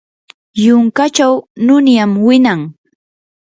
yunkachaw nunyam winan.